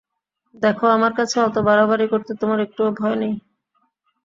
দেখো, আমার কাছে অত বাড়াবাড়ি করতে তোমার একটুও ভয় নেই?